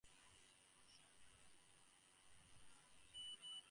Construction of the branch line from Baden to Lenzburg and Aarau was abandoned.